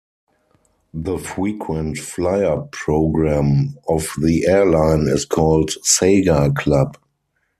The frequent flyer program of the airline is called "Saga Club".